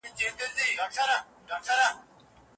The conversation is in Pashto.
ایا هغه لوړ ډنګر سړی د روغتون څخه راغلی و؟